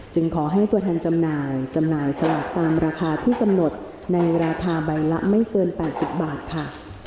ขอให้ตัวแทนจำหน่ายจำหน่ายสลากตามราคาที่กำหนดในราคาใบละไม่เกิน๘๐บาทค่ะ